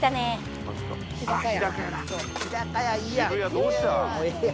どうした？